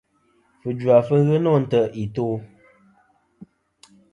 Fujva fɨ ghɨ nô ntè' i to'.